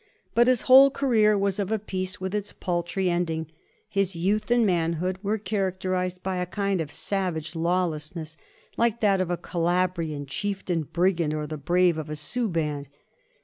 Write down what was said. But his whole career was of a piece with its paltry end ing. His youth and manhood were characterized by a kind of savage lawlessness, like that of a Calabrian chief tain brigand or the brave of a Sioux band.